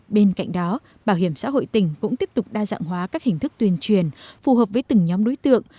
bên cạnh đó bảo hiểm xã hội tỉnh cũng tiếp tục đa dạng hóa các hình thức tuyên truyền phù hợp với từng nhóm đối tượng